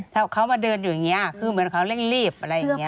ถ้าเขามาเดินอยู่อย่างนี้คือเหมือนเขาเร่งรีบอะไรอย่างนี้